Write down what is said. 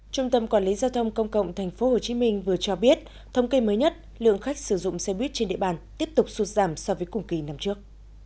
trung tâm quản lý giao thông công cộng tp hcm vừa cho biết thống kê mới nhất lượng khách sử dụng xe buýt trên địa bàn tiếp tục sụt giảm so với cùng kỳ năm trước